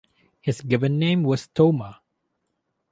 His given name was Toma.